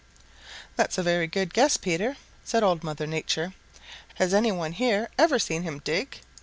"That's a very good guess, Peter," said Old Mother Nature. "Has any one here ever seen him dig?"